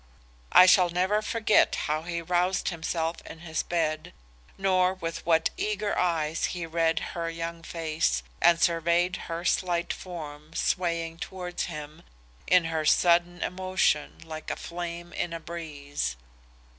"I shall never forget how he roused himself in his bed, nor with what eager eyes he read her young face and surveyed her slight form swaying towards him in her sudden emotion like a flame in a breeze.